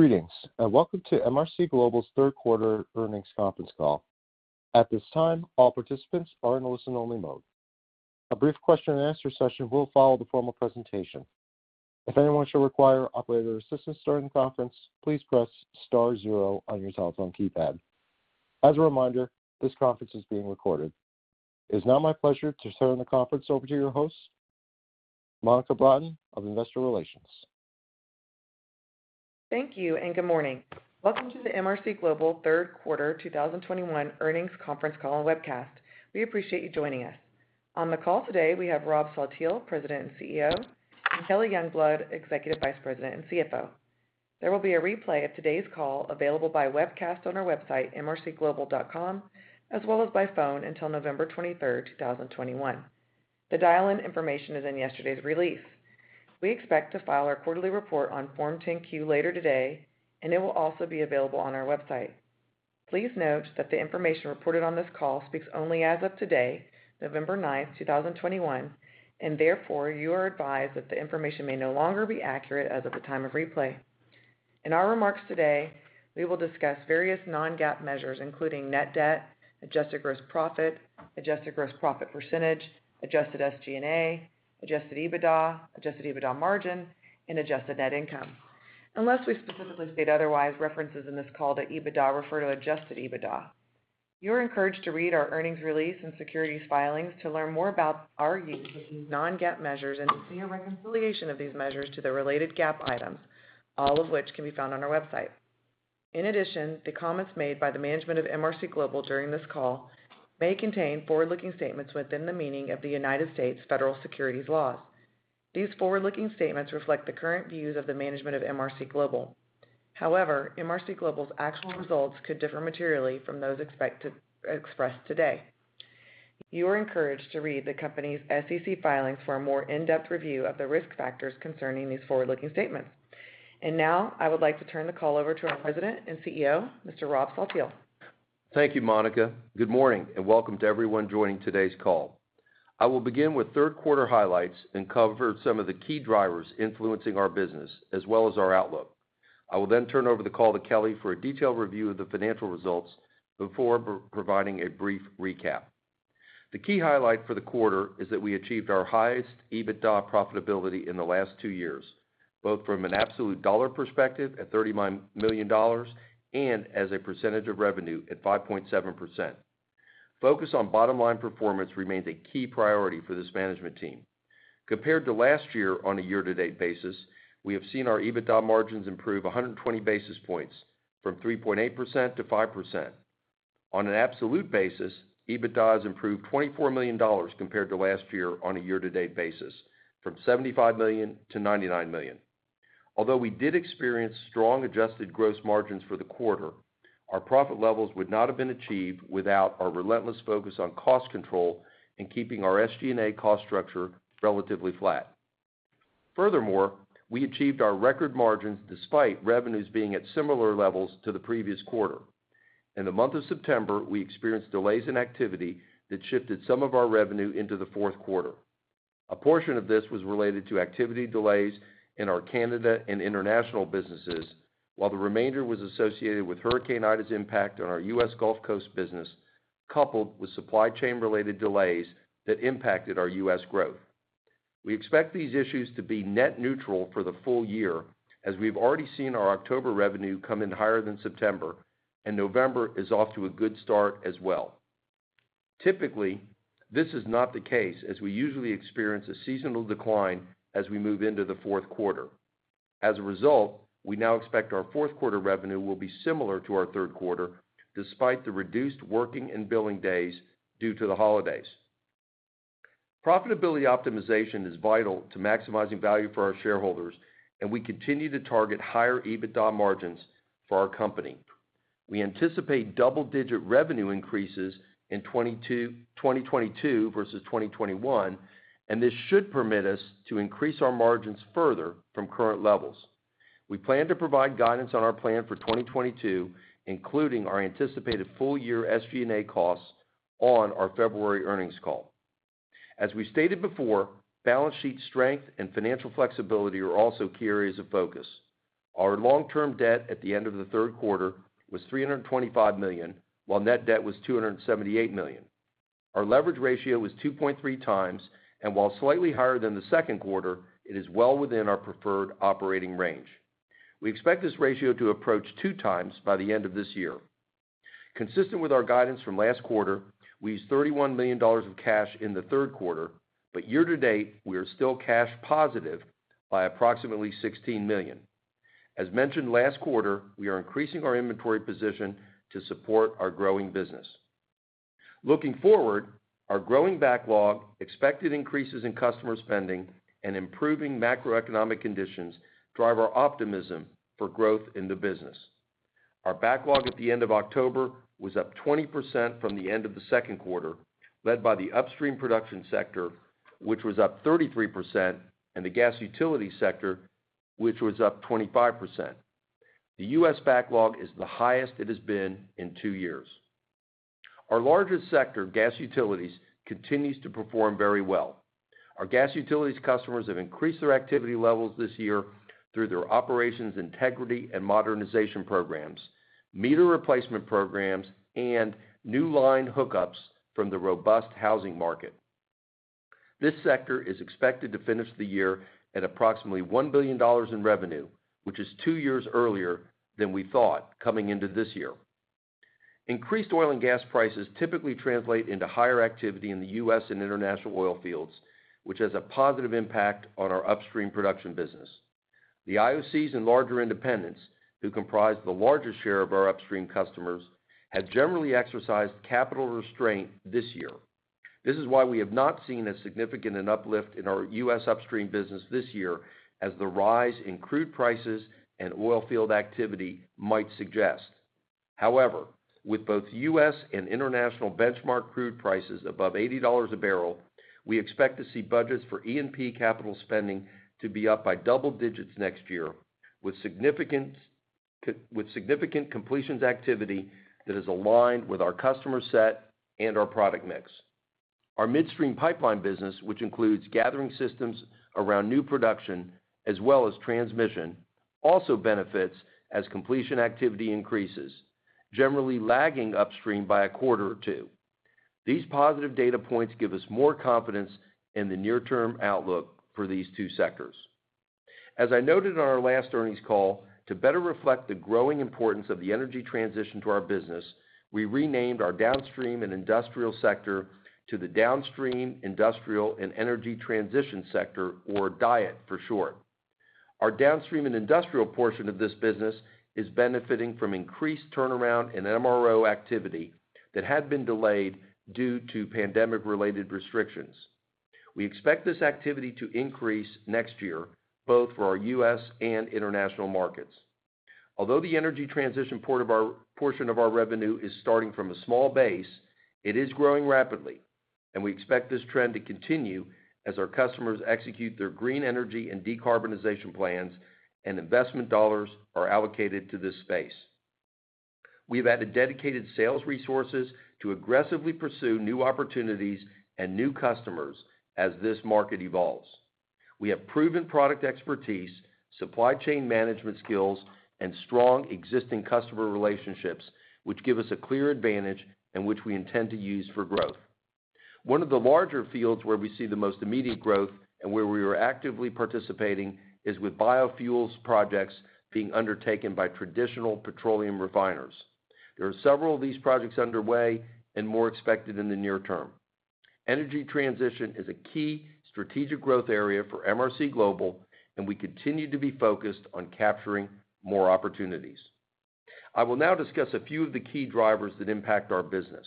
Greetings, and welcome to MRC Global's third quarter earnings conference call. At this time, all participants are in listen-only mode. A brief question-and-answer session will follow the formal presentation. If anyone should require operator assistance during the conference, please press star zero on your telephone keypad. As a reminder, this conference is being recorded. It is now my pleasure to turn the conference over to your host, Monica Broughton of Investor Relations. Thank you and good morning. Welcome to the MRC Global third quarter 2021 earnings conference call and webcast. We appreciate you joining us. On the call today, we have Rob Saltiel, President and CEO, and Kelly Youngblood, Executive Vice President and CFO. There will be a replay of today's call available by webcast on our website, mrcglobal.com, as well as by phone until November 23rd, 2021. The dial-in information is in yesterday's release. We expect to file our quarterly report on Form 10-Q later today, and it will also be available on our website. Please note that the information reported on this call speaks only as of today, November 9th, 2021, and therefore, you are advised that the information may no longer be accurate as of the time of replay. In our remarks today, we will discuss various non-GAAP measures, including net debt, adjusted gross profit, adjusted gross profit percentage, adjusted SG&A, adjusted EBITDA, adjusted EBITDA margin, and adjusted net income. Unless we specifically state otherwise, references in this call to EBITDA refer to adjusted EBITDA. You're encouraged to read our earnings release and securities filings to learn more about our use of these non-GAAP measures and to see a reconciliation of these measures to the related GAAP items, all of which can be found on our website. In addition, the comments made by the management of MRC Global during this call may contain forward-looking statements within the meaning of the United States federal securities laws. These forward-looking statements reflect the current views of the management of MRC Global. However, MRC Global's actual results could differ materially from those expected or expressed today. You are encouraged to read the company's SEC filings for a more in-depth review of the risk factors concerning these forward-looking statements. Now, I would like to turn the call over to our President and CEO, Mr. Rob Saltiel. Thank you, Monica. Good morning, and welcome to everyone joining today's call. I will begin with third quarter highlights and cover some of the key drivers influencing our business as well as our outlook. I will then turn over the call to Kelly for a detailed review of the financial results before providing a brief recap. The key highlight for the quarter is that we achieved our highest EBITDA profitability in the last two years, both from an absolute dollar perspective at $30 million and as a percentage of revenue at 5.7%. Focus on bottom line performance remains a key priority for this management team. Compared to last year on a year-to-date basis, we have seen our EBITDA margins improve 120 basis points from 3.8% to 5%. On an absolute basis, EBITDA has improved $24 million compared to last year on a year-to-date basis from $75 million to $99 million. Although we did experience strong adjusted gross margins for the quarter, our profit levels would not have been achieved without our relentless focus on cost control and keeping our SG&A cost structure relatively flat. Furthermore, we achieved our record margins despite revenues being at similar levels to the previous quarter. In the month of September, we experienced delays in activity that shifted some of our revenue into the fourth quarter. A portion of this was related to activity delays in our Canada and international businesses, while the remainder was associated with Hurricane Ida's impact on our U.S. Gulf Coast business, coupled with supply chain related delays that impacted our U.S. growth. We expect these issues to be net neutral for the full year as we've already seen our October revenue come in higher than September, and November is off to a good start as well. Typically, this is not the case as we usually experience a seasonal decline as we move into the fourth quarter. As a result, we now expect our fourth quarter revenue will be similar to our third quarter despite the reduced working and billing days due to the holidays. Profitability optimization is vital to maximizing value for our shareholders, and we continue to target higher EBITDA margins for our company. We anticipate double-digit revenue increases in 2022 versus 2021, and this should permit us to increase our margins further from current levels. We plan to provide guidance on our plan for 2022, including our anticipated full year SG&A costs on our February earnings call. As we stated before, balance sheet strength and financial flexibility are also key areas of focus. Our long-term debt at the end of the third quarter was $325 million, while net debt was $278 million. Our leverage ratio was 2.3x, and while slightly higher than the second quarter, it is well within our preferred operating range. We expect this ratio to approach 2x by the end of this year. Consistent with our guidance from last quarter, we used $31 million of cash in the third quarter, but year to date we are still cash positive by approximately $16 million. As mentioned last quarter, we are increasing our inventory position to support our growing business. Looking forward, our growing backlog, expected increases in customer spending, and improving macroeconomic conditions drive our optimism for growth in the business. Our backlog at the end of October was up 20% from the end of the second quarter, led by the upstream production sector, which was up 33%, and the gas utility sector, which was up 25%. The U.S. backlog is the highest it has been in two years. Our largest sector, gas utilities, continues to perform very well. Our gas utilities customers have increased their activity levels this year through their operations integrity and modernization programs, meter replacement programs, and new line hookups from the robust housing market. This sector is expected to finish the year at approximately $1 billion in revenue, which is two years earlier than we thought coming into this year. Increased oil and gas prices typically translate into higher activity in the U.S. and international oil fields, which has a positive impact on our upstream production business. The IOCs and larger independents, who comprise the largest share of our upstream customers, have generally exercised capital restraint this year. This is why we have not seen a significant uplift in our U.S. upstream business this year as the rise in crude prices and oil field activity might suggest. However, with both U.S. and international benchmark crude prices above $80 a barrel, we expect to see budgets for E&P capital spending to be up by double digits next year, with significant completions activity that is aligned with our customer set and our product mix. Our midstream pipeline business, which includes gathering systems around new production as well as transmission, also benefits as completion activity increases, generally lagging upstream by a quarter or two. These positive data points give us more confidence in the near-term outlook for these two sectors. As I noted on our last earnings call, to better reflect the growing importance of the energy transition to our business, we renamed our downstream and industrial sector to the Downstream, Industrial and Energy Transition sector, or DIET for short. Our downstream and industrial portion of this business is benefiting from increased turnaround in MRO activity that had been delayed due to pandemic-related restrictions. We expect this activity to increase next year, both for our U.S. and international markets. Although the energy transition portion of our revenue is starting from a small base, it is growing rapidly, and we expect this trend to continue as our customers execute their green energy and decarbonization plans and investment dollars are allocated to this space. We have added dedicated sales resources to aggressively pursue new opportunities and new customers as this market evolves. We have proven product expertise, supply chain management skills, and strong existing customer relationships, which give us a clear advantage and which we intend to use for growth. One of the larger fields where we see the most immediate growth and where we are actively participating is with biofuels projects being undertaken by traditional petroleum refiners. There are several of these projects underway and more expected in the near term. Energy transition is a key strategic growth area for MRC Global, and we continue to be focused on capturing more opportunities. I will now discuss a few of the key drivers that impact our business.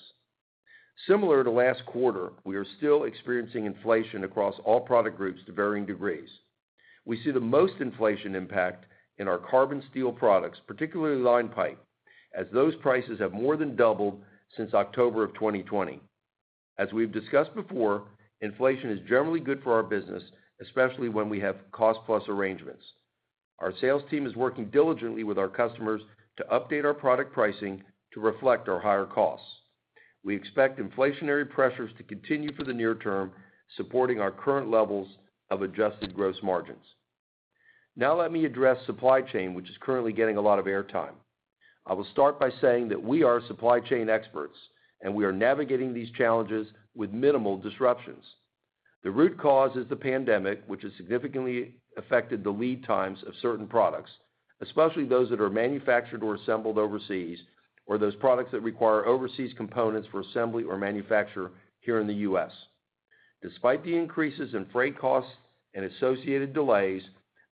Similar to last quarter, we are still experiencing inflation across all product groups to varying degrees. We see the most inflation impact in our carbon steel products, particularly line pipe, as those prices have more than doubled since October 2020. As we've discussed before, inflation is generally good for our business, especially when we have cost-plus arrangements. Our sales team is working diligently with our customers to update our product pricing to reflect our higher costs. We expect inflationary pressures to continue for the near term, supporting our current levels of adjusted gross margins. Now let me address supply chain, which is currently getting a lot of airtime. I will start by saying that we are supply chain experts, and we are navigating these challenges with minimal disruptions. The root cause is the pandemic, which has significantly affected the lead times of certain products, especially those that are manufactured or assembled overseas, or those products that require overseas components for assembly or manufacture here in the U.S. Despite the increases in freight costs and associated delays,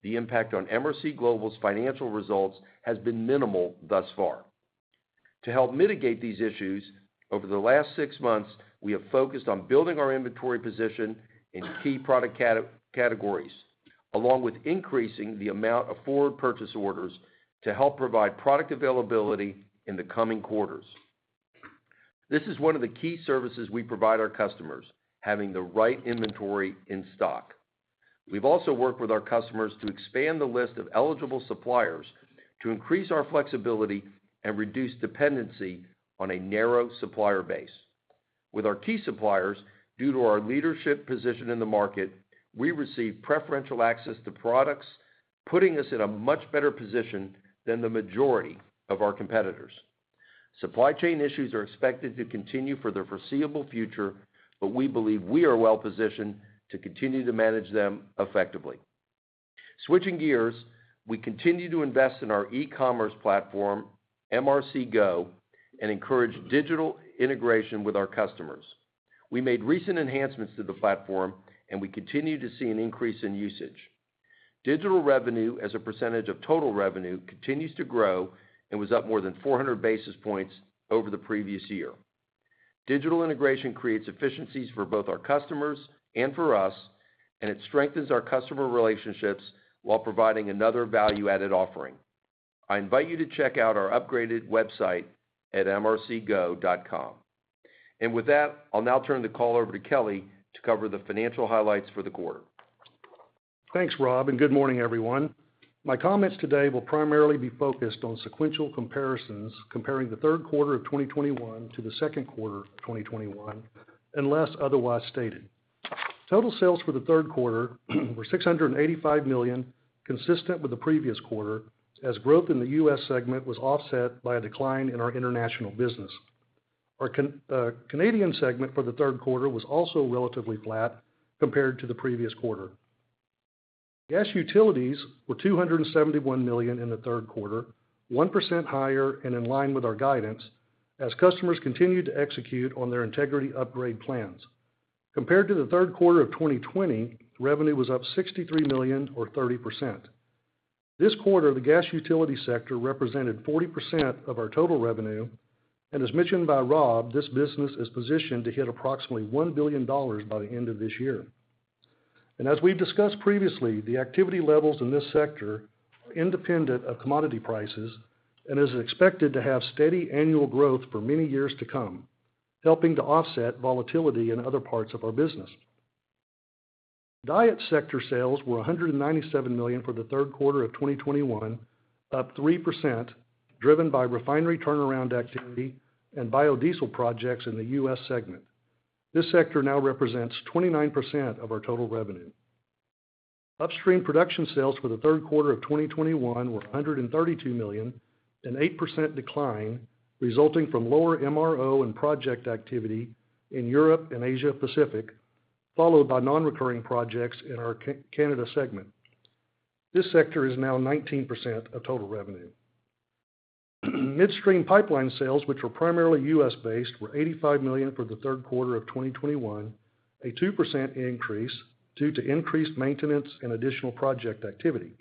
the impact on MRC Global's financial results has been minimal thus far. To help mitigate these issues, over the last six months, we have focused on building our inventory position in key product categories, along with increasing the amount of forward purchase orders to help provide product availability in the coming quarters. This is one of the key services we provide our customers, having the right inventory in stock. We've also worked with our customers to expand the list of eligible suppliers to increase our flexibility and reduce dependency on a narrow supplier base. With our key suppliers, due to our leadership position in the market, we receive preferential access to products, putting us in a much better position than the majority of our competitors. Supply chain issues are expected to continue for the foreseeable future, but we believe we are well positioned to continue to manage them effectively. Switching gears, we continue to invest in our e-commerce platform, MRC Go, and encourage digital integration with our customers. We made recent enhancements to the platform, and we continue to see an increase in usage. Digital revenue as a percentage of total revenue continues to grow and was up more than 400 basis points over the previous year. Digital integration creates efficiencies for both our customers and for us, and it strengthens our customer relationships while providing another value-added offering. I invite you to check out our upgraded website at mrcgo.com. With that, I'll now turn the call over to Kelly to cover the financial highlights for the quarter. Thanks, Rob, and good morning, everyone. My comments today will primarily be focused on sequential comparisons comparing the third quarter of 2021 to the second quarter of 2021, unless otherwise stated. Total sales for the third quarter were $685 million, consistent with the previous quarter, as growth in the U.S. segment was offset by a decline in our international business. Our Canadian segment for the third quarter was also relatively flat compared to the previous quarter. Gas utilities were $271 million in the third quarter, 1% higher and in line with our guidance as customers continued to execute on their integrity upgrade plans. Compared to the third quarter of 2020, revenue was up $63 million or 30%. This quarter, the gas utility sector represented 40% of our total revenue. As mentioned by Rob, this business is positioned to hit approximately $1 billion by the end of this year. As we've discussed previously, the activity levels in this sector are independent of commodity prices and is expected to have steady annual growth for many years to come, helping to offset volatility in other parts of our business. DIET sector sales were $197 million for the third quarter of 2021, up 3%, driven by refinery turnaround activity and biodiesel projects in the U.S. segment. This sector now represents 29% of our total revenue. Upstream production sales for the third quarter of 2021 were $132 million, an 8% decline resulting from lower MRO and project activity in Europe and Asia Pacific, followed by non-recurring projects in our Canada segment. This sector is now 19% of total revenue. Midstream pipeline sales, which were primarily U.S.-based, were $85 million for the third quarter of 2021, a 2% increase due to increased maintenance and additional project activity.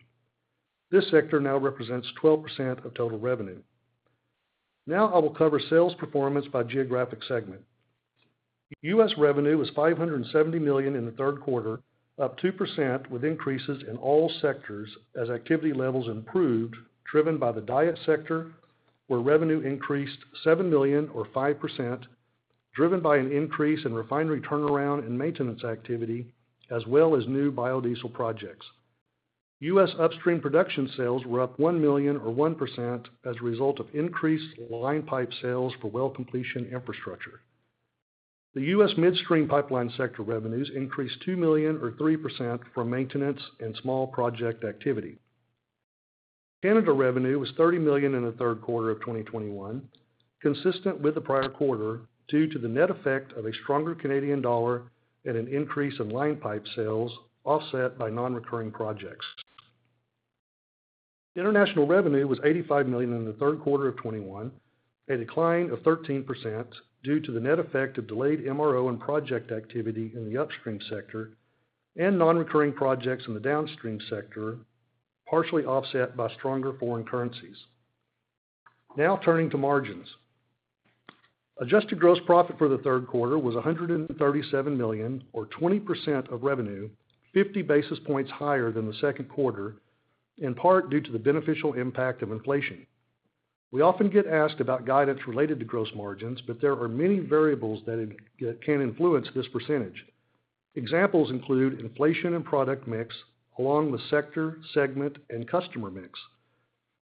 This sector now represents 12% of total revenue. Now I will cover sales performance by geographic segment. U.S. revenue was $570 million in the third quarter, up 2%, with increases in all sectors as activity levels improved, driven by the DIET sector, where revenue increased $7 million or 5%, driven by an increase in refinery turnaround and maintenance activity, as well as new biodiesel projects. U.S. upstream production sales were up $1 million or 1% as a result of increased line pipe sales for well completion infrastructure. The U.S. midstream pipeline sector revenues increased $2 million or 3% from maintenance and small project activity. Canada revenue was $30 million in the third quarter of 2021, consistent with the prior quarter, due to the net effect of a stronger Canadian dollar and an increase in line pipe sales offset by non-recurring projects. International revenue was $85 million in the third quarter of 2021, a decline of 13% due to the net effect of delayed MRO and project activity in the upstream sector and non-recurring projects in the downstream sector, partially offset by stronger foreign currencies. Now turning to margins. Adjusted gross profit for the third quarter was $137 million or 20% of revenue, 50 basis points higher than the second quarter, in part due to the beneficial impact of inflation. We often get asked about guidance related to gross margins, but there are many variables that can influence this percentage. Examples include inflation and product mix, along with sector, segment, and customer mix.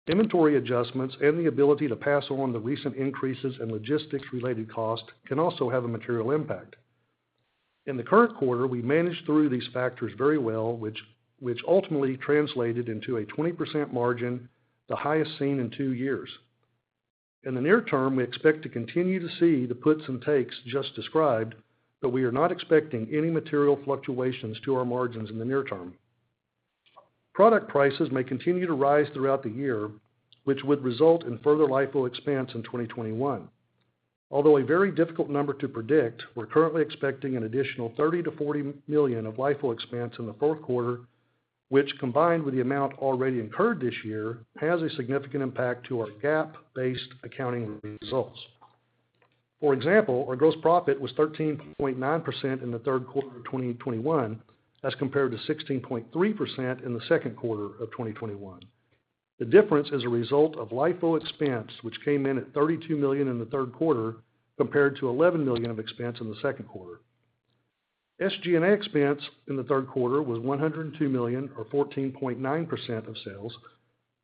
Inventory adjustments and the ability to pass on the recent increases in logistics-related costs can also have a material impact. In the current quarter, we managed through these factors very well, which ultimately translated into a 20% margin, the highest seen in two years. In the near term, we expect to continue to see the puts and takes just described, but we are not expecting any material fluctuations to our margins in the near term. Product prices may continue to rise throughout the year, which would result in further LIFO expense in 2021. Although a very difficult number to predict, we're currently expecting an additional $30-$40 million of LIFO expense in the fourth quarter, which, combined with the amount already incurred this year, has a significant impact to our GAAP-based accounting results. For example, our gross profit was 13.9% in the third quarter of 2021 as compared to 16.3% in the second quarter of 2021. The difference is a result of LIFO expense, which came in at $32 million in the third quarter compared to $11 million of expense in the second quarter. SG&A expense in the third quarter was $102 million or 14.9% of sales.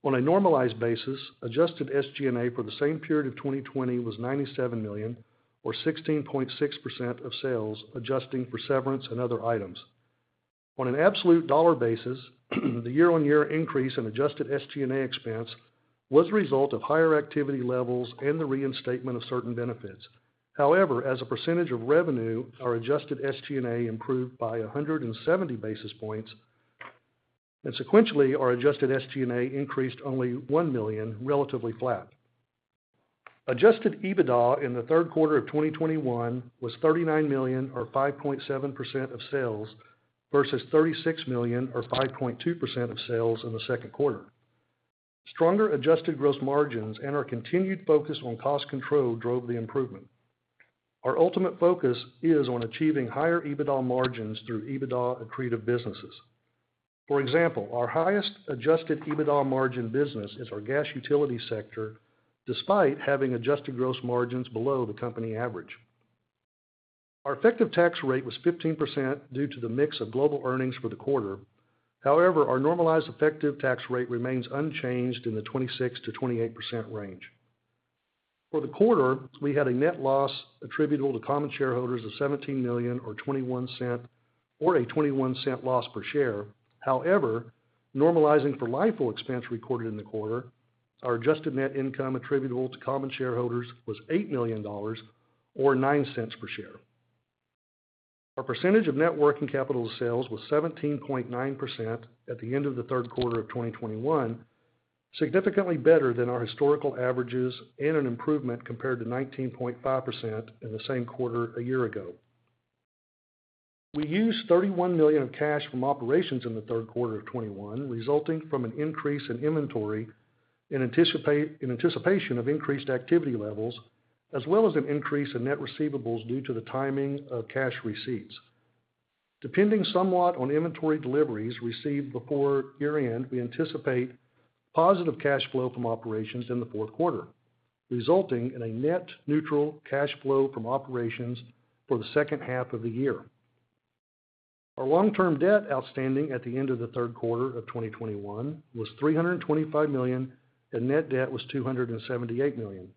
On a normalized basis, Adjusted SG&A for the same period of 2020 was $97 million or 16.6% of sales, adjusting for severance and other items. On an absolute dollar basis, the year-on-year increase in adjusted SG&A expense was a result of higher activity levels and the reinstatement of certain benefits. However, as a percentage of revenue, our adjusted SG&A improved by 170 basis points, and sequentially, our adjusted SG&A increased only $1 million, relatively flat. Adjusted EBITDA in the third quarter of 2021 was $39 million or 5.7% of sales versus $36 million or 5.2% of sales in the second quarter. Stronger adjusted gross margins and our continued focus on cost control drove the improvement. Our ultimate focus is on achieving higher EBITDA margins through EBITDA accretive businesses. For example, our highest adjusted EBITDA margin business is our gas utility sector despite having adjusted gross margins below the company average. Our effective tax rate was 15% due to the mix of global earnings for the quarter. However, our normalized effective tax rate remains unchanged in the 26%-28% range. For the quarter, we had a net loss attributable to common shareholders of $17 million or a $0.21 loss per share. However, normalizing for LIFO expense recorded in the quarter, our adjusted net income attributable to common shareholders was $8 million or $0.09 per share. Our percentage of net working capital sales was 17.9% at the end of the third quarter of 2021, significantly better than our historical averages and an improvement compared to 19.5% in the same quarter a year ago. We used $31 million of cash from operations in the third quarter of 2021, resulting from an increase in inventory in anticipation of increased activity levels, as well as an increase in net receivables due to the timing of cash receipts. Depending somewhat on inventory deliveries received before year-end, we anticipate positive cash flow from operations in the fourth quarter, resulting in a net neutral cash flow from operations for the second half of the year. Our long-term debt outstanding at the end of the third quarter of 2021 was $325 million, and Net Debt was $278 million.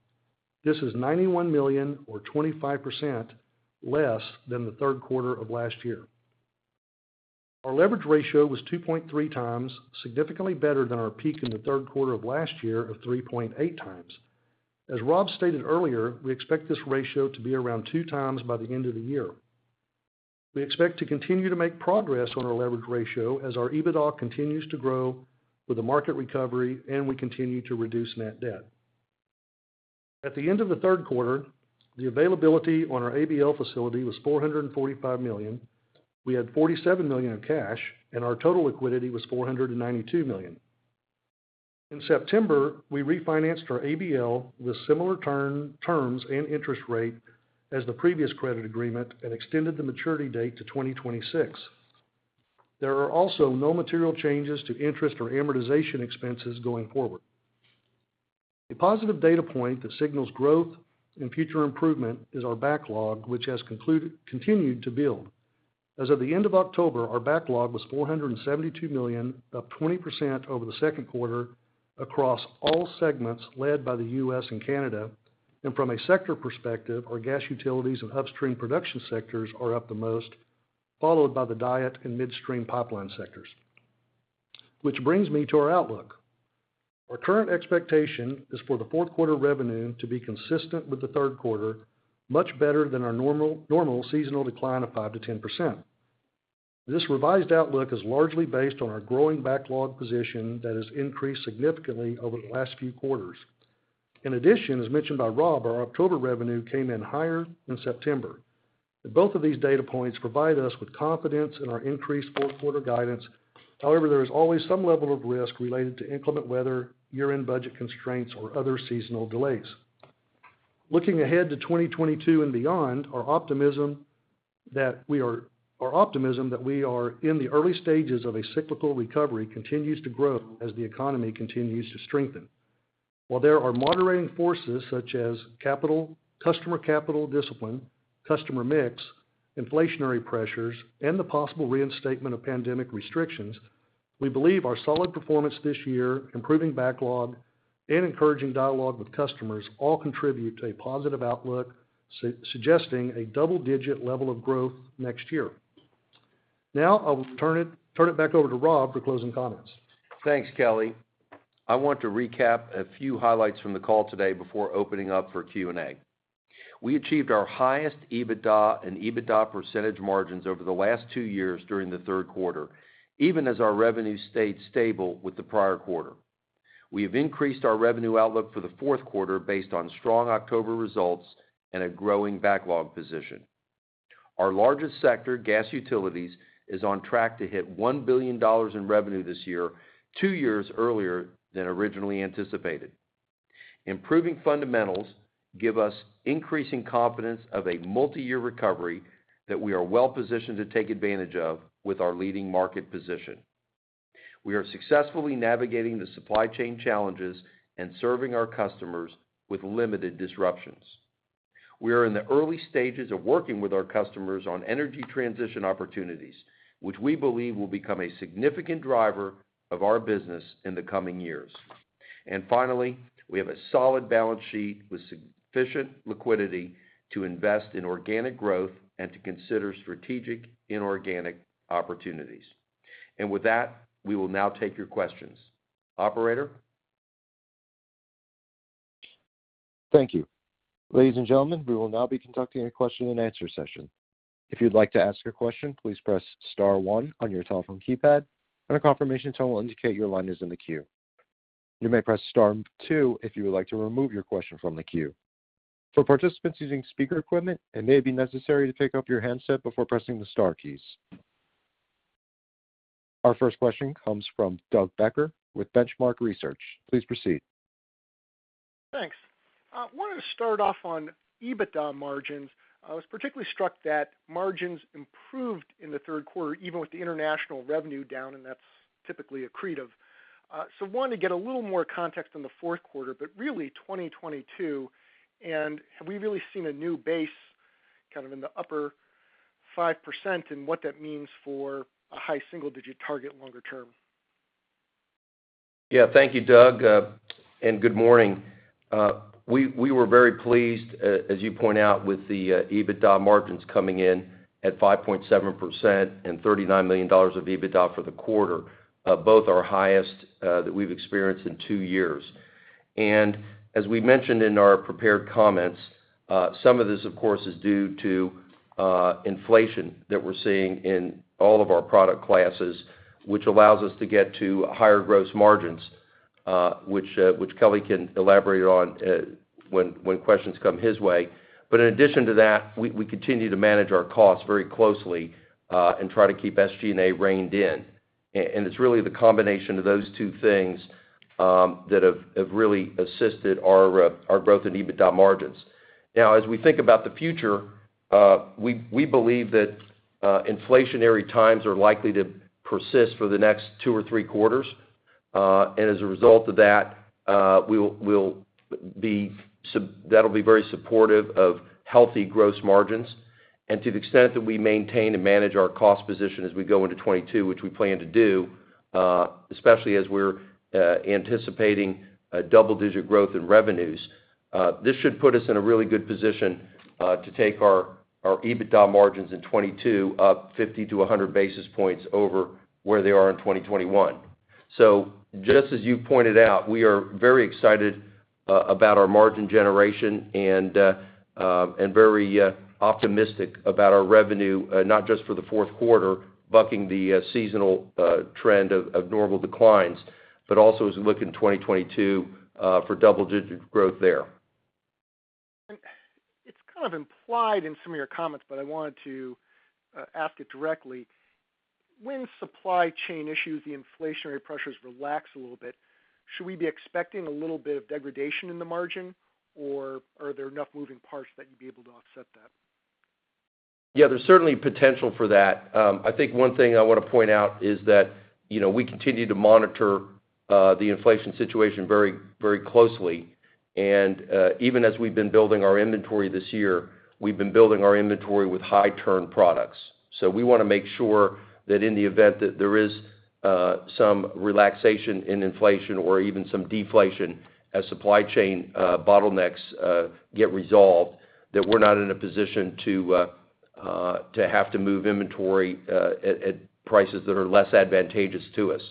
This is $91 million or 25% less than the third quarter of last year. Our leverage ratio was 2.3x, significantly better than our peak in the third quarter of last year of 3.8 times. As Rob stated earlier, we expect this ratio to be around 2x by the end of the year. We expect to continue to make progress on our leverage ratio as our EBITDA continues to grow with the market recovery, and we continue to reduce net debt. At the end of the third quarter, the availability on our ABL facility was $445 million. We had $47 million in cash, and our total liquidity was $492 million. In September, we refinanced our ABL with similar term, terms and interest rate as the previous credit agreement and extended the maturity date to 2026. There are also no material changes to interest or amortization expenses going forward. A positive data point that signals growth and future improvement is our backlog, which has continued to build. As of the end of October, our backlog was $472 million, up 20% over the second quarter across all segments led by the U.S. and Canada. From a sector perspective, our gas utilities and upstream production sectors are up the most, followed by the DIET and midstream pipeline sectors. Which brings me to our outlook. Our current expectation is for the fourth quarter revenue to be consistent with the third quarter, much better than our normal seasonal decline of 5%-10%. This revised outlook is largely based on our growing backlog position that has increased significantly over the last few quarters. In addition, as mentioned by Rob, our October revenue came in higher than September. Both of these data points provide us with confidence in our increased fourth quarter guidance. However, there is always some level of risk related to inclement weather, year-end budget constraints, or other seasonal delays. Looking ahead to 2022 and beyond, our optimism that we are in the early stages of a cyclical recovery continues to grow as the economy continues to strengthen. While there are moderating forces such as capital, customer capital discipline, customer mix, inflationary pressures, and the possible reinstatement of pandemic restrictions, we believe our solid performance this year, improving backlog, and encouraging dialogue with customers all contribute to a positive outlook suggesting a double-digit level of growth next year. Now, I will turn it back over to Rob for closing comments. Thanks, Kelly. I want to recap a few highlights from the call today before opening up for Q&A. We achieved our highest EBITDA and EBITDA percentage margins over the last two years during the third quarter, even as our revenue stayed stable with the prior quarter. We have increased our revenue outlook for the fourth quarter based on strong October results and a growing backlog position. Our largest sector, gas utilities, is on track to hit $1 billion in revenue this year, two years earlier than originally anticipated. Improving fundamentals give us increasing confidence of a multi-year recovery that we are well-positioned to take advantage of with our leading market position. We are successfully navigating the supply chain challenges and serving our customers with limited disruptions. We are in the early stages of working with our customers on energy transition opportunities, which we believe will become a significant driver of our business in the coming years. Finally, we have a solid balance sheet with sufficient liquidity to invest in organic growth and to consider strategic inorganic opportunities. With that, we will now take your questions. Operator? Thank you. Ladies and gentlemen, we will now be conducting a question-and-answer session. If you'd like to ask a question, please press star one on your telephone keypad, and a confirmation tone will indicate your line is in the queue. You may press star two if you would like to remove your question from the queue. For participants using speaker equipment, it may be necessary to pick up your handset before pressing the star keys. Our first question comes from Doug Becker with The Benchmark Company, please proceed. Thanks. Wanted to start off on EBITDA margins. I was particularly struck that margins improved in the third quarter, even with the international revenue down, and that's typically accretive. Wanted to get a little more context on the fourth quarter, but really 2022. Have we really seen a new base kind of in the upper 5% and what that means for a high single-digit target longer term. Yeah. Thank you, Doug, and good morning. We were very pleased, as you point out, with the EBITDA margins coming in at 5.7% and $39 million of EBITDA for the quarter, both our highest that we've experienced in two years. As we mentioned in our prepared comments, some of this, of course, is due to inflation that we're seeing in all of our product classes, which allows us to get to higher gross margins, which Kelly can elaborate on when questions come his way. In addition to that, we continue to manage our costs very closely and try to keep SG&A reined in. It's really the combination of those two things that have really assisted our growth and EBITDA margins. Now, as we think about the future, we believe that inflationary times are likely to persist for the next two or three quarters. As a result of that'll be very supportive of healthy gross margins. To the extent that we maintain and manage our cost position as we go into 2022, which we plan to do, especially as we're anticipating a double-digit growth in revenues, this should put us in a really good position to take our EBITDA margins in 2022 up 50-100 basis points over where they are in 2021. Just as you pointed out, we are very excited about our margin generation and very optimistic about our revenue, not just for the fourth quarter, bucking the seasonal trend of normal declines, but also as we look in 2022 for double-digit growth there. It's kind of implied in some of your comments, but I wanted to ask it directly. When supply chain issues, the inflationary pressures relax a little bit, should we be expecting a little bit of degradation in the margin, or are there enough moving parts that you'd be able to offset that? Yeah, there's certainly potential for that. I think one thing I wanna point out is that, you know, we continue to monitor the inflation situation very, very closely. Even as we've been building our inventory this year with high turn products, we wanna make sure that in the event that there is some relaxation in inflation or even some deflation as supply chain bottlenecks get resolved, that we're not in a position to have to move inventory at prices that are less advantageous to us.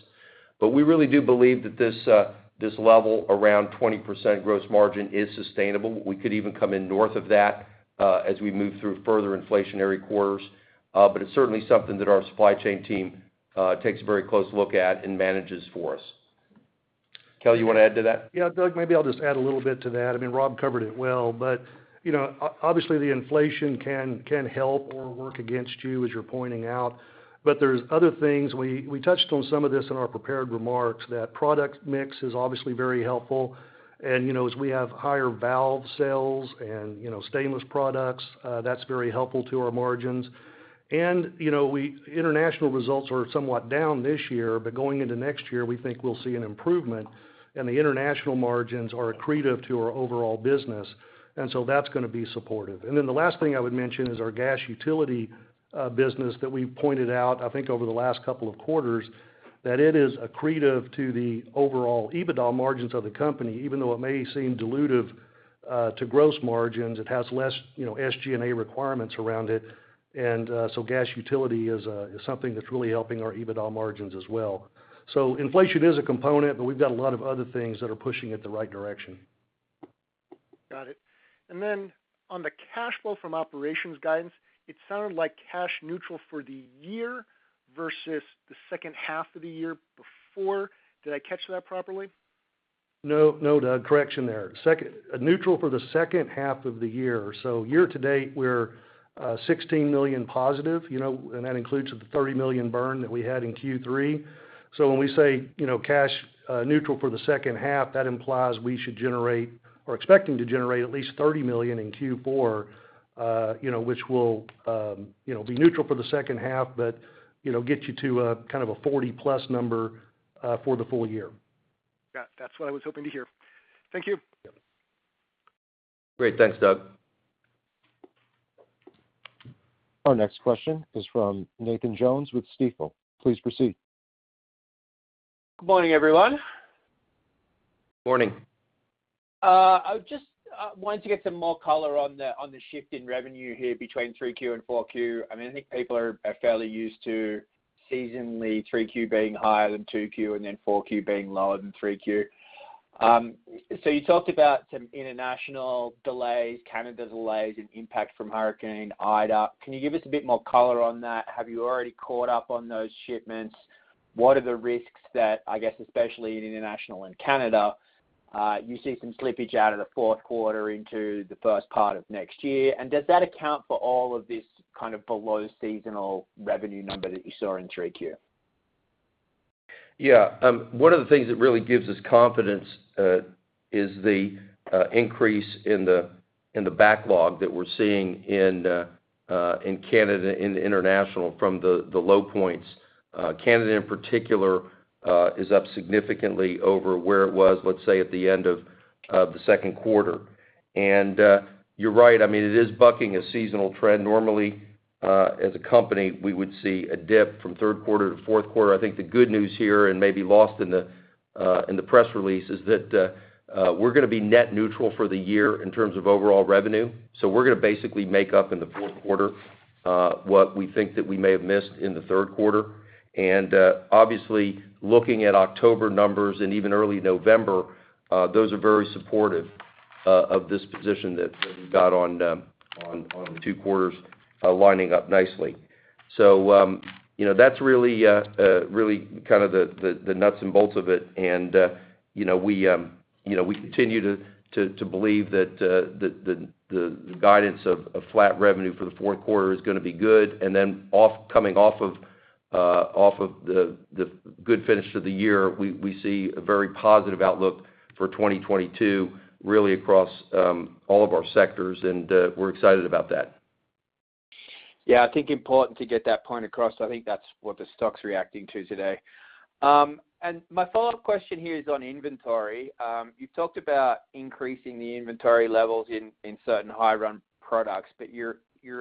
We really do believe that this level around 20% gross margin is sustainable. We could even come in north of that as we move through further inflationary quarters. It's certainly something that our supply chain team takes a very close look at and manages for us. Kelly, you wanna add to that? Yeah, Doug, maybe I'll just add a little bit to that. I mean, Rob covered it well. You know, obviously, the inflation can help or work against you, as you're pointing out. There's other things. We touched on some of this in our prepared remarks. Product mix is obviously very helpful. You know, as we have higher valve sales and, you know, stainless products, that's very helpful to our margins. You know, our international results are somewhat down this year, but going into next year, we think we'll see an improvement, and the international margins are accretive to our overall business. That's gonna be supportive. The last thing I would mention is our gas utility business that we pointed out, I think over the last couple of quarters, that it is accretive to the overall EBITDA margins of the company, even though it may seem dilutive to gross margins. It has less, you know, SG&A requirements around it. Gas utility is something that's really helping our EBITDA margins as well. Inflation is a component, but we've got a lot of other things that are pushing it the right direction. Got it. On the cash flow from operations guidance, it sounded like cash neutral for the year versus the second half of the year before. Did I catch that properly? No, no, Doug, correction there. Second half neutral for the second half of the year. Year to date, we're $16 million positive, you know, and that includes the $30 million burn that we had in Q3. When we say, you know, cash neutral for the second half, that implies we should generate or we're expecting to generate at least $30 million in Q4, you know, which will be neutral for the second half, but, you know, get you to a kind of a $40+ number for the full year. Got it. That's what I was hoping to hear. Thank you. Great. Thanks, Doug. Our next question is from Nathan Jones with Stifel. Please proceed. Good morning, everyone. Morning. I just wanted to get some more color on the shift in revenue here between 3Q and 4Q. I mean, I think people are fairly used to seasonally 3Q being higher than 2Q and then 4Q being lower than 3Q. You talked about some international delays, Canada delays, and impact from Hurricane Ida. Can you give us a bit more color on that? Have you already caught up on those shipments? What are the risks that, I guess, especially in international and Canada, you see some slippage out of the fourth quarter into the first part of next year? And does that account for all of this kind of below seasonal revenue number that you saw in 3Q? Yeah. One of the things that really gives us confidence is the increase in the backlog that we're seeing in Canada and international from the low points. Canada, in particular, is up significantly over where it was, let's say, at the end of the second quarter. You're right, I mean, it is bucking a seasonal trend. Normally, as a company, we would see a dip from third quarter to fourth quarter. I think the good news here, and may be lost in the press release, is that we're gonna be net neutral for the year in terms of overall revenue. We're gonna basically make up in the fourth quarter what we think that we may have missed in the third quarter. Obviously, looking at October numbers and even early November, those are very supportive of this position that we've got on the two quarters lining up nicely. You know, that's really kind of the nuts and bolts of it. You know, we continue to believe that the guidance of flat revenue for the fourth quarter is gonna be good. Coming off of the good finish to the year, we see a very positive outlook for 2022, really across all of our sectors, and we're excited about that. Yeah. I think important to get that point across. I think that's what the stock's reacting to today. My follow-up question here is on inventory. You talked about increasing the inventory levels in certain high-run products, but your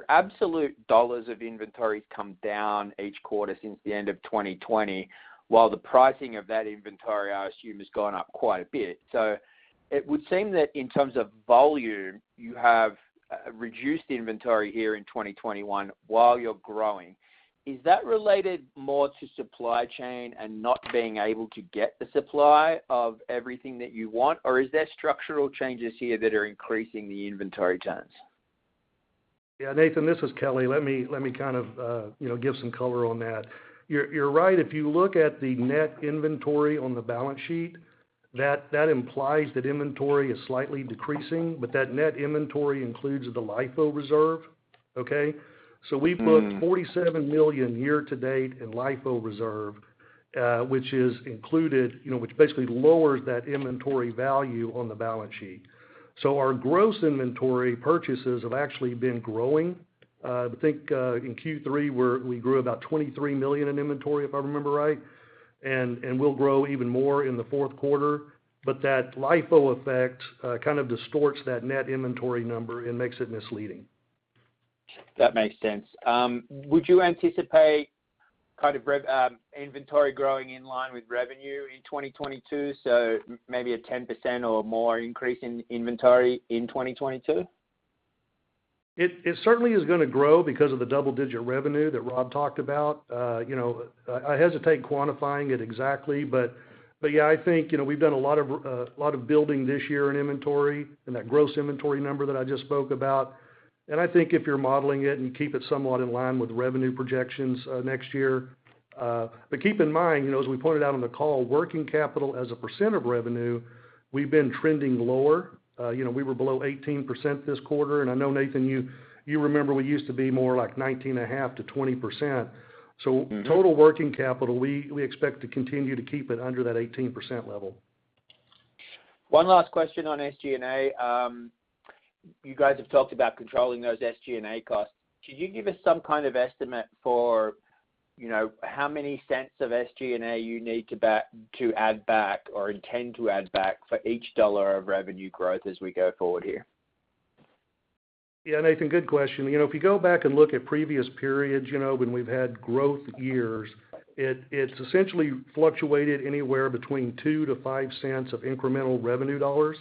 absolute dollars of inventory's come down each quarter since the end of 2020, while the pricing of that inventory, I assume, has gone up quite a bit, so it would seem that in terms of volume, you have reduced the inventory here in 2021 while you're growing. Is that related more to supply chain and not being able to get the supply of everything that you want? Or is there structural changes here that are increasing the inventory turns? Yeah. Nathan, this is Kelly. Let me kind of, you know, give some color on that. You're right, if you look at the net inventory on the balance sheet, that implies that inventory is slightly decreasing, but that net inventory includes the LIFO reserve, okay? We've put $47 million year to date in LIFO reserve, which is included, you know, which basically lowers that inventory value on the balance sheet. Our gross inventory purchases have actually been growing. I think, in Q3, we grew about $23 million in inventory, if I remember right, and we'll grow even more in the fourth quarter. That LIFO effect kind of distorts that net inventory number and makes it misleading. That makes sense. Would you anticipate inventory growing in line with revenue in 2022, so maybe a 10% or more increase in inventory in 2022? It certainly is gonna grow because of the double-digit revenue that Rob talked about. You know, I hesitate quantifying it exactly, but yeah, I think, you know, we've done a lot of building this year in inventory and that gross inventory number that I just spoke about. I think if you're modeling it and keep it somewhat in line with revenue projections next year, but keep in mind, you know, as we pointed out on the call, working capital as a percent of revenue, we've been trending lower. You know, we were below 18% this quarter, and I know, Nathan, you remember we used to be more like 19.5%-20%. Total working capital, we expect to continue to keep it under that 18% level. One last question on SG&A. You guys have talked about controlling those SG&A costs. Could you give us some kind of estimate for, you know, how many cents of SG&A you need to add back or intend to add back for each dollar of revenue growth as we go forward here? Yeah, Nathan, good question. You know, if you go back and look at previous periods, you know, when we've had growth years, it's essentially fluctuated anywhere between $0.02-$0.05 of incremental revenue dollars.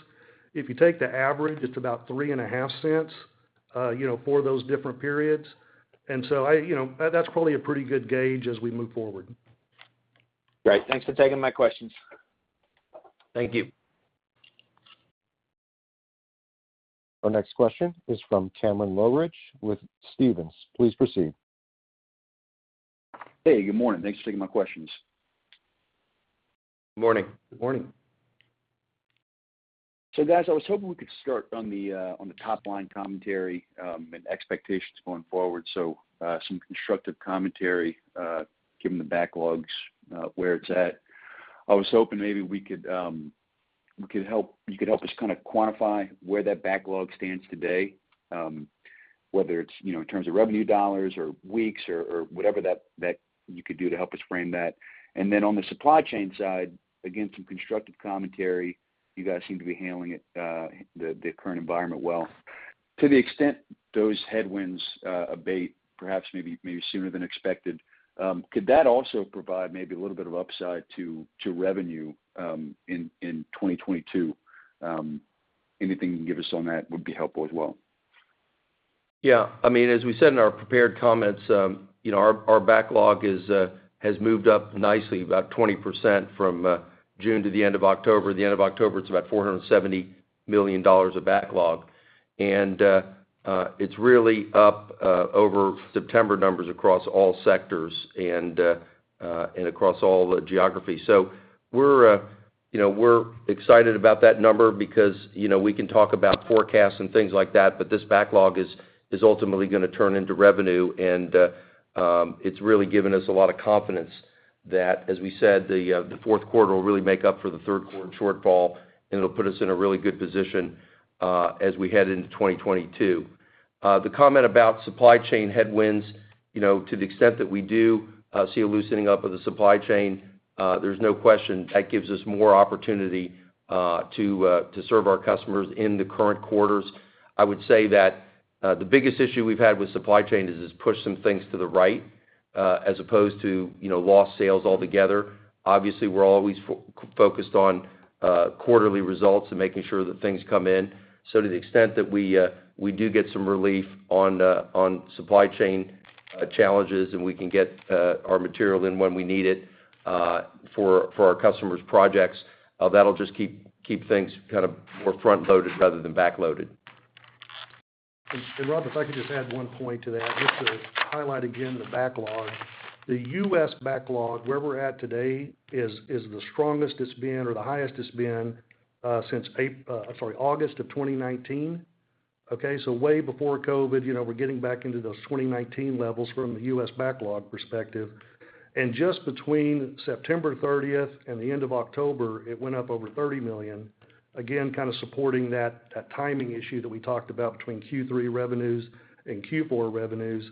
If you take the average, it's about $0.035, you know, for those different periods. You know, that's probably a pretty good gauge as we move forward. Great. Thanks for taking my questions. Thank you. Our next question is from Cameron Lochridge with Stephens. Please proceed. Hey, good morning. Thanks for taking my questions. Morning. Good morning. Guys, I was hoping we could start on the top line commentary and expectations going forward. Some constructive commentary, given the backlogs, where it's at. I was hoping maybe you could help us kind of quantify where that backlog stands today, whether it's, you know, in terms of revenue dollars or weeks or whatever that you could do to help us frame that. Then on the supply chain side, again, some constructive commentary. You guys seem to be handling the current environment well. To the extent those headwinds abate, perhaps maybe sooner than expected, could that also provide a little bit of upside to revenue in 2022? Anything you can give us on that would be helpful as well. Yeah. I mean, as we said in our prepared comments, you know, our backlog has moved up nicely about 20% from June to the end of October. The end of October, it's about $470 million of backlog. It's really up over September numbers across all sectors and across all the geographies. We're, you know, excited about that number because, you know, we can talk about forecasts and things like that, but this backlog is ultimately gonna turn into revenue. It's really given us a lot of confidence that, as we said, the fourth quarter will really make up for the third quarter shortfall, and it'll put us in a really good position as we head into 2022. The comment about supply chain headwinds, you know, to the extent that we do see a loosening up of the supply chain, there's no question that gives us more opportunity to serve our customers in the current quarters. I would say that the biggest issue we've had with supply chain is just push some things to the right, as opposed to, you know, lost sales altogether. Obviously, we're always focused on quarterly results and making sure that things come in. To the extent that we do get some relief on the supply chain challenges, and we can get our material in when we need it for our customers' projects, that'll just keep things kind of more front-loaded rather than back-loaded. Rob, if I could just add one point to that, just to highlight again the backlog. The U.S. backlog, where we're at today, is the strongest it's been or the highest it's been since August 2019. Okay? So way before COVID. You know, we're getting back into those 2019 levels from the U.S. backlog perspective, and just between September 30th and the end of October, it went up over $30 million, again, kind of supporting that timing issue that we talked about between Q3 revenues and Q4 revenues,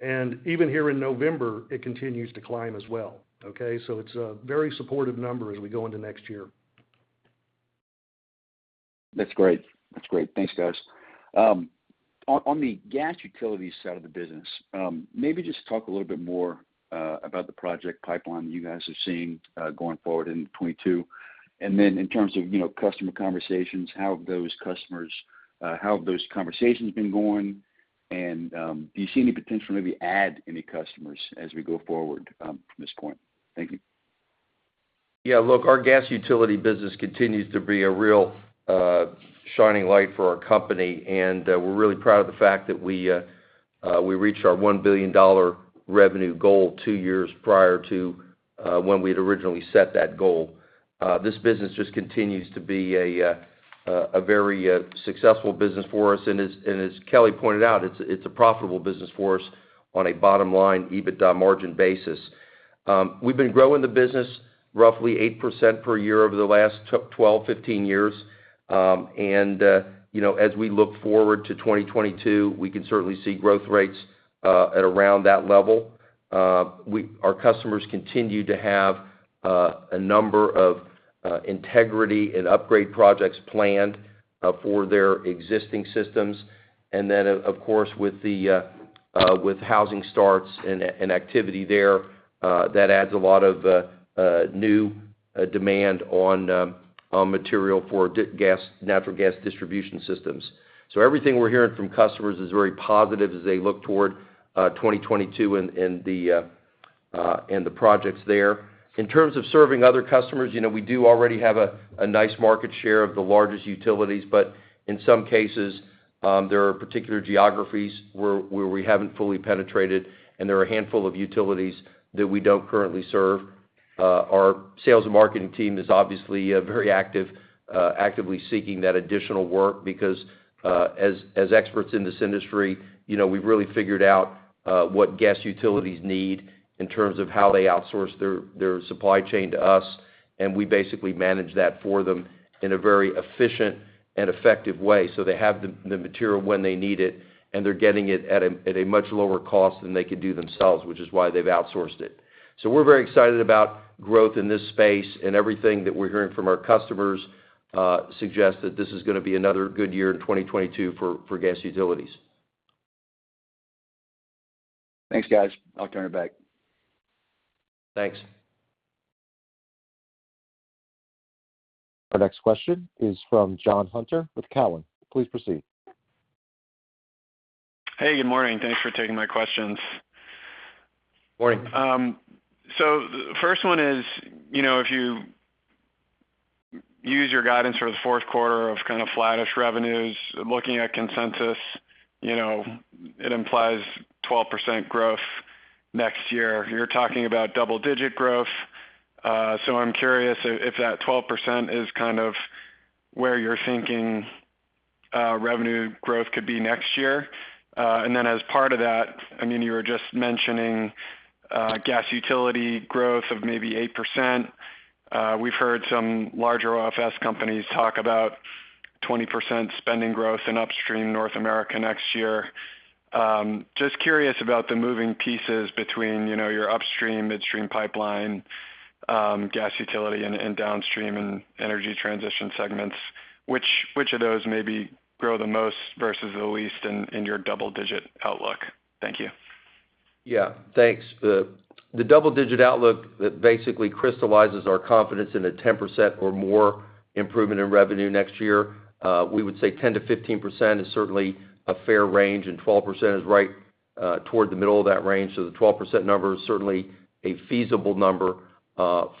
and even here in November, it continues to climb as well, okay? So it's a very supportive number as we go into next year. That's great. Thanks, guys. On the gas utility side of the business, maybe just talk a little bit more about the project pipeline you guys are seeing going forward into 2022. Then in terms of, you know, customer conversations, how have those conversations been going? Do you see any potential to maybe add any customers as we go forward from this point? Thank you. Yeah. Look, our gas utility business continues to be a real shining light for our company, and we're really proud of the fact that we reached our $1 billion revenue goal two years prior to when we had originally set that goal. This business just continues to be a very successful business for us, and as Kelly pointed out, it's a profitable business for us on a bottom-line EBITDA margin basis. We've been growing the business roughly 8% per year over the last 12-15 years. You know, as we look forward to 2022, we can certainly see growth rates at around that level. Our customers continue to have a number of integrity and upgrade projects planned for their existing systems. Of course, with housing starts and activity there, that adds a lot of new demand on material for the gas natural gas distribution systems. Everything we're hearing from customers is very positive as they look toward 2022 and the projects there. In terms of serving other customers, you know, we do already have a nice market share of the largest utilities. In some cases, there are particular geographies where we haven't fully penetrated, and there are a handful of utilities that we don't currently serve. Our sales and marketing team is obviously very active, actively seeking that additional work because, as experts in this industry, you know, we've really figured out what gas utilities need in terms of how they outsource their supply chain to us, and we basically manage that for them in a very efficient and effective way. They have the material when they need it, and they're getting it at a much lower cost than they could do themselves, which is why they've outsourced it. We're very excited about growth in this space, and everything that we're hearing from our customers suggests that this is gonna be another good year in 2022 for gas utilities. Thanks, guys. I'll turn it back. Thanks. Our next question is from Jonathan Hunter with Cowen. Please proceed. Hey, good morning. Thanks for taking my questions. Morning. First one is, you know, if you use your guidance for the fourth quarter of kind of flattish revenues, looking at consensus, you know, it implies 12% growth next year. You're talking about double-digit growth. I'm curious if that 12% is kind of where you're thinking revenue growth could be next year. Then as part of that, I mean, you were just mentioning gas utility growth of maybe 8%. We've heard some larger OFS companies talk about 20% spending growth in upstream North America next year. Just curious about the moving pieces between, you know, your upstream, midstream pipeline, gas utility and downstream and energy transition segments. Which of those maybe grow the most versus the least in your double-digit outlook? Thank you. Yeah. Thanks. The double-digit outlook, that basically crystallizes our confidence in a 10% or more improvement in revenue next year. We would say 10%-15% is certainly a fair range, and 12% is right toward the middle of that range. The 12% number is certainly a feasible number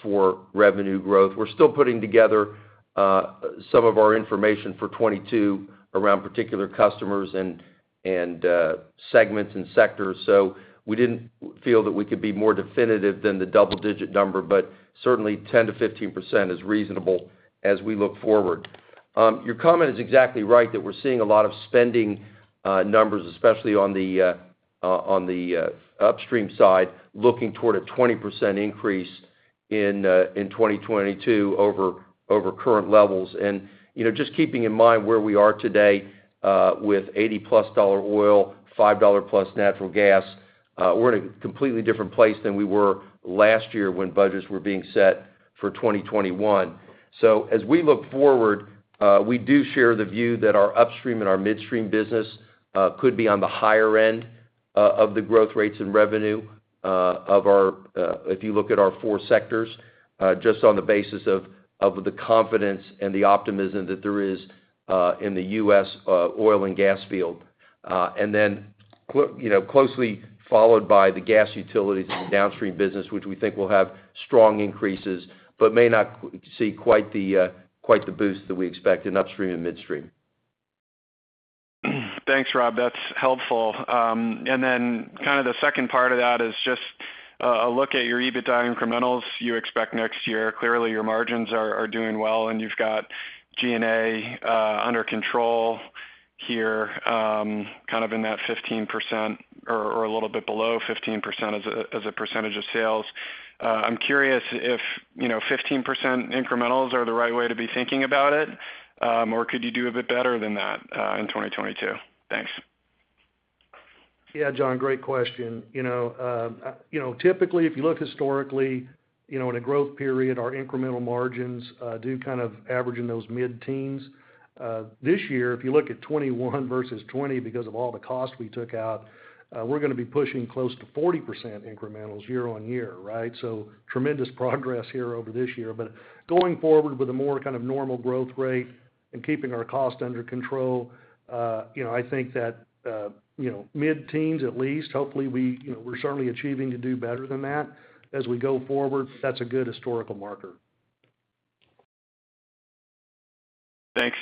for revenue growth. We're still putting together some of our information for 2022 around particular customers and segments and sectors. We didn't feel that we could be more definitive than the double-digit number, but certainly 10%-15% is reasonable as we look forward. Your comment is exactly right, that we're seeing a lot of spending numbers, especially on the upstream side, looking toward a 20% increase in 2022 over current levels. You know, just keeping in mind where we are today, with $80+ oil, $5+ natural gas, we're in a completely different place than we were last year when budgets were being set for 2021. As we look forward, we do share the view that our upstream and our midstream business could be on the higher end of the growth rates in revenue, if you look at our four sectors, just on the basis of the confidence and the optimism that there is in the U.S. oil and gas field. You know, closely followed by the gas utilities and downstream business, which we think will have strong increases, but may not see quite the boost that we expect in upstream and midstream. Thanks, Rob. That's helpful. kind of the second part of that is just a look at your EBITDA incrementals you expect next year. Clearly, your margins are doing well, and you've got G&A under control here, kind of in that 15% or a little bit below 15% as a percentage of sales. I'm curious if, you know, 15% incrementals are the right way to be thinking about it, or could you do a bit better than that in 2022? Thanks. Yeah. Jonathan, great question. You know, typically, if you look historically, you know, in a growth period, our incremental margins do kind of average in those mid-teens. This year, if you look at 2021 versus 2020 because of all the cost we took out, we're gonna be pushing close to 40% incrementals year on year, right? So tremendous progress here over this year, but going forward with a more kind of normal growth rate and keeping our cost under control, you know, I think that, you know, mid-teens at least, hopefully we, you know, we're certainly achieving to do better than that as we go forward. That's a good historical marker. Thanks.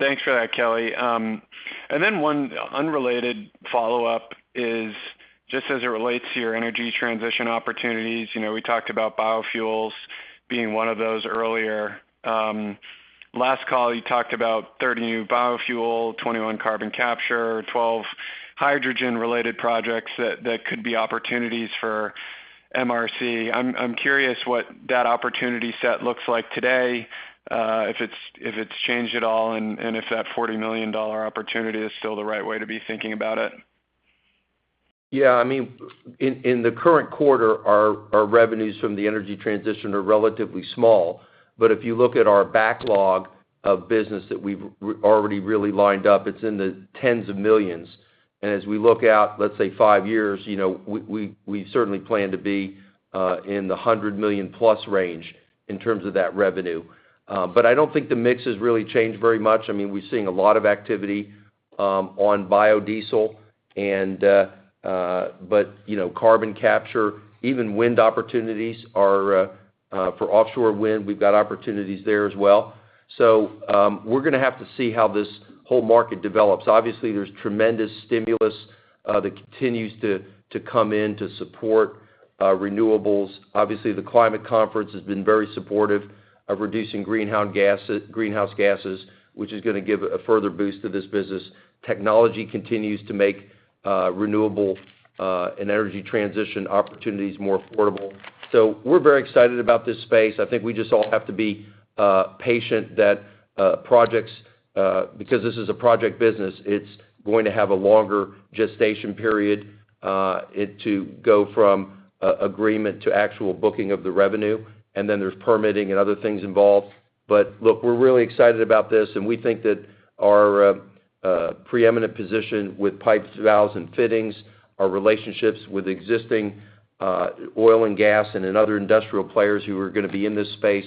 Thanks for that, Kelly. One unrelated follow-up is just as it relates to your energy transition opportunities. You know, we talked about biofuels being one of those earlier. Last call, you talked about 30 new biofuel, 21 carbon capture, 12 hydrogen-related projects that could be opportunities for MRC. I'm curious what that opportunity set looks like today, if it's changed at all, and if that $40 million opportunity is still the right way to be thinking about it. Yeah. I mean, in the current quarter, our revenues from the energy transition are relatively small. If you look at our backlog of business that we've already really lined up, it's in the $10-$99 million range. As we look out, let's say five years, you know, we certainly plan to be in the $100 million-plus range in terms of that revenue. I don't think the mix has really changed very much. I mean, we're seeing a lot of activity on biodiesel and biofuels, but you know, carbon capture, even in wind opportunities are for offshore wind. We've got opportunities there as well. We're gonna have to see how this whole market develops. Obviously, there's tremendous stimulus that continues to come in to support renewables. Obviously, the climate conference has been very supportive of reducing greenhouse gases, which is gonna give a further boost to this business. Technology continues to make renewable and energy transition opportunities more affordable. We're very excited about this space. I think we just all have to be patient that projects because this is a project business, it's going to have a longer gestation period to go from an agreement to actual booking of the revenue, and then there's permitting and other things involved. Look, we're really excited about this, and we think that our preeminent position with pipes, valves, and fittings, our relationships with existing oil and gas and other industrial players who are gonna be in this space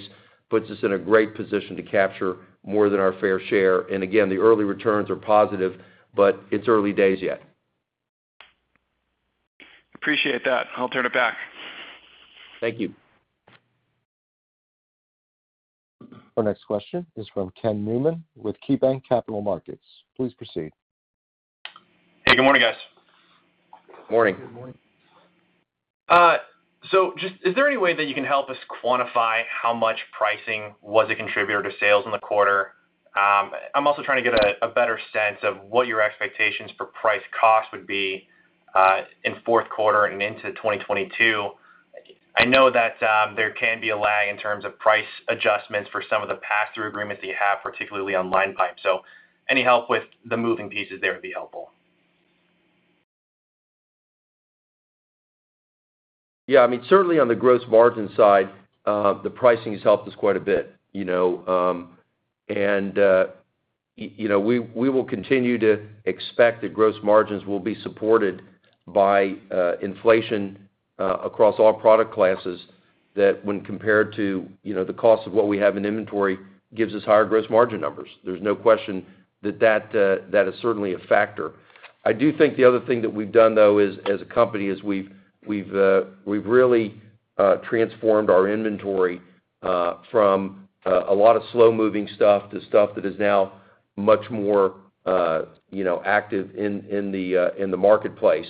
puts us in a great position to capture more than our fair share, and again, the early returns are positive, but it's early days yet. Appreciate that. I'll turn it back. Thank you. Our next question is from Ken Newman with KeyBanc Capital Markets. Please proceed. Hey, good morning, guys. Morning. Good morning. Is there any way that you can help us quantify how much pricing was a contributor to sales in the quarter? I'm also trying to get a better sense of what your expectations for price cost would be in fourth quarter and into 2022. I know that there can be a lag in terms of price adjustments for some of the pass-through agreements that you have, particularly on line pipe. Any help with the moving pieces there would be helpful. Yeah. I mean, certainly on the gross margin side, the pricing has helped us quite a bit, you know. You know, we will continue to expect that gross margins will be supported by inflation across all product classes that when compared to, you know, the cost of what we have in inventory, gives us higher gross margin numbers. There's no question that that is certainly a factor. I do think the other thing that we've done, though, as a company is we've really transformed our inventory from a lot of slow-moving stuff to stuff that is now much more you know, active in the marketplace.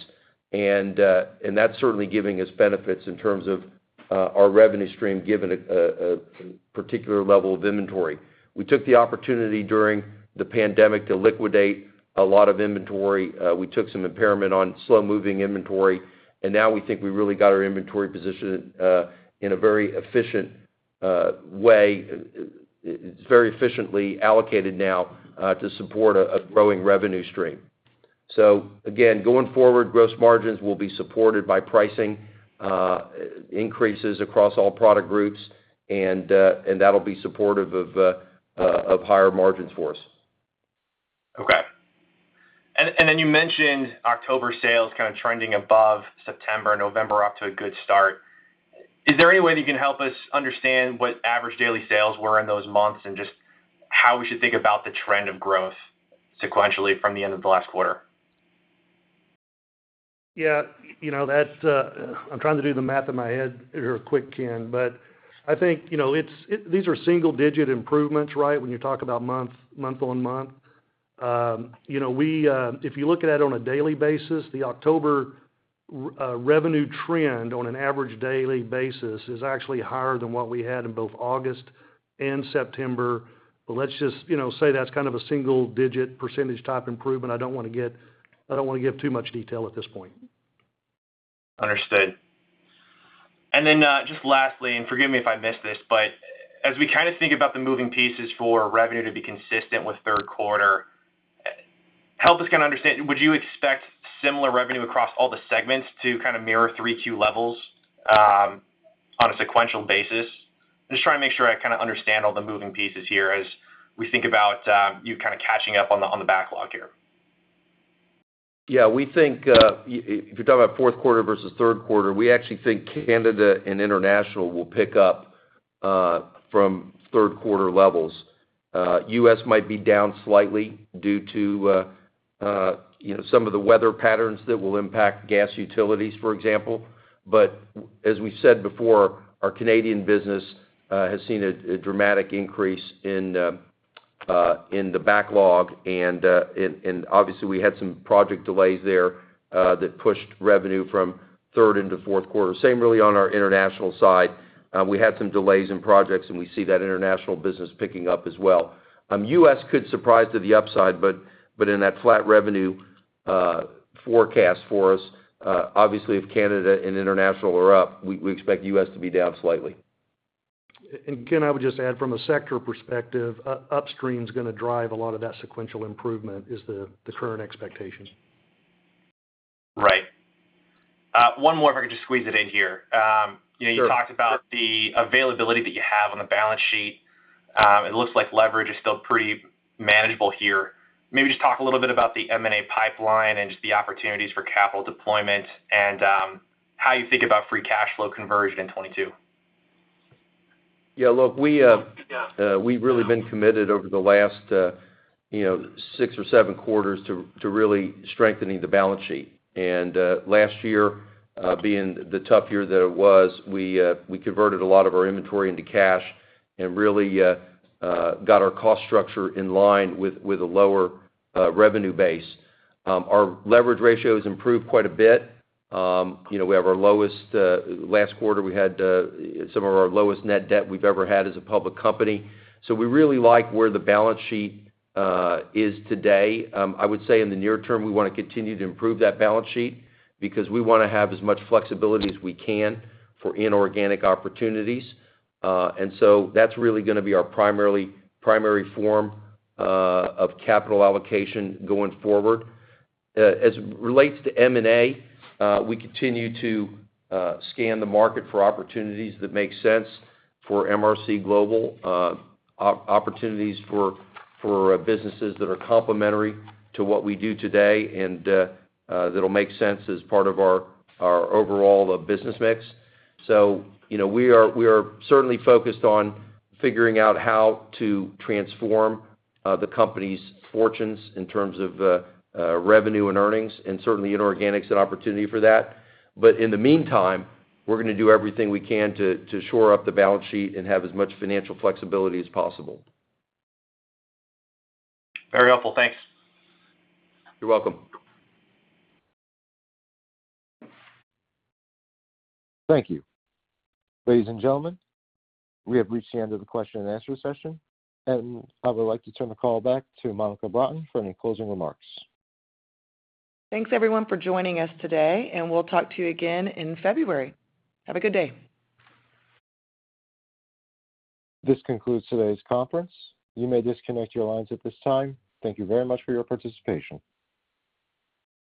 That's certainly giving us benefits in terms of our revenue stream, given a particular level of inventory. We took the opportunity during the pandemic to liquidate a lot of inventory. We took some impairment on slow-moving inventory, and now we think we really got our inventory position in a very efficient way. It's very efficiently allocated now to support a growing revenue stream. Again, going forward, gross margins will be supported by pricing increases across all product groups, and that'll be supportive of higher margins for us. Okay. You mentioned October sales kind of trending above September, November off to a good start. Is there any way that you can help us understand what average daily sales were in those months and just how we should think about the trend of growth sequentially from the end of the last quarter? Yeah, you know, that's, I'm trying to do the math in my head here quickly, Ken, but I think, you know, it's these are single-digit improvements, right? When you talk about month-on-month. You know, we, if you look at it on a daily basis, the October revenue trend on an average daily basis is actually higher than what we had in both August and September, but let's just, you know, say that's kind of a single-digit percentage type improvement. I don't wanna give too much detail at this point. Understood. Just lastly, and forgive me if I missed this, but as we kind of think about the moving pieces for revenue to be consistent with third quarter, help us kind of understand, would you expect similar revenue across all the segments to kind of mirror Q3 levels, on a sequential basis? Just trying to make sure I kind of understand all the moving pieces here as we think about, you kind of catching up on the backlog here. Yeah, we think if you're talking about fourth quarter versus third quarter, we actually think Canada and International will pick up from third quarter levels. US might be down slightly due to you know some of the weather patterns that will impact gas utilities, for example. As we said before, our Canadian business has seen a dramatic increase in the backlog and obviously we had some project delays there that pushed revenue from third into fourth quarter. Same really on our international side. We had some delays in projects, and we see that international business picking up as well. US could surprise to the upside, but in that flat revenue forecast for us, obviously if Canada and International are up, we expect US to be down slightly. Ken, I would just add from a sector perspective, upstream's gonna drive a lot of that sequential improvement is the current expectation. Right. One more, if I could just squeeze it in here. You know, you talked about the availability that you have on the balance sheet. It looks like leverage is still pretty manageable here. Maybe just talk a little bit about the M&A pipeline and just the opportunities for capital deployment and how you think about free cash flow conversion in 2022. Yeah, look, we've really been committed over the last, you know, six or seven quarters to really strengthening the balance sheet. Last year, being the tough year that it was, we converted a lot of our inventory into cash and really got our cost structure in line with a lower revenue base. Our leverage ratio has improved quite a bit. You know, last quarter, we had some of our lowest Net Debt we've ever had as a public company. We really like where the balance sheet is today. I would say in the near term, we wanna continue to improve that balance sheet because we wanna have as much flexibility as we can for inorganic opportunities. That's really gonna be our primary form of capital allocation going forward. As relates to M&A, we continue to scan the market for opportunities that make sense for MRC Global, opportunities for businesses that are complementary to what we do today and that'll make sense as part of our overall business mix. You know, we are certainly focused on figuring out how to transform the company's fortunes in terms of revenue and earnings, and certainly inorganic is an opportunity for that. In the meantime, we're gonna do everything we can to shore up the balance sheet and have as much financial flexibility as possible. Very helpful. Thanks. You're welcome. Thank you. Ladies and gentlemen, we have reached the end of the question and answer session, and I would like to turn the call back to Monica Broughton for any closing remarks. Thanks everyone for joining us today, and we'll talk to you again in February. Have a good day. This concludes today's conference. You may disconnect your lines at this time. Thank you very much for your participation.